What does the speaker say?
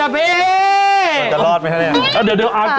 ไปค่ะ